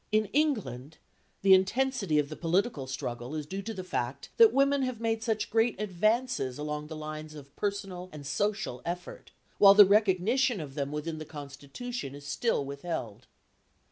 In England the intensity of the political struggle is due to the fact that women have made such great advances along the lines of personal and social effort, while the recognition of them within the Constitution is still withheld.